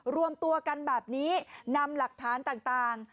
รวมตัวกันแบบนี้นำหลักฐานต่าง